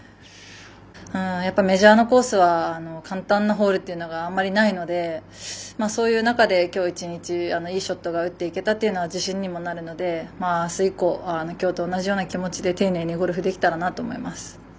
やっぱりメジャーのコースは簡単なホールというのがあまりないので、そういう中できょう１日、いいショットが打っていけたというのは自信にもなるのであす以降、きょうと同じような気持ちで丁寧にゴルフできたらなと思っています。